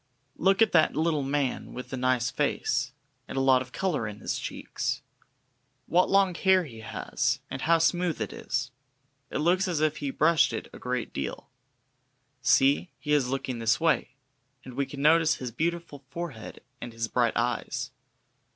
Look at that little man with the nice face, and a lot of colour in his cheeks! What long hair he has! and how smooth it is! It looks as if he brushed it a great deal. See, he is looking this way, and we can notice his beautiful forehead and his bright eyes.